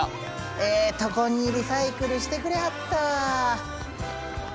ええとこにリサイクルしてくれはったわ。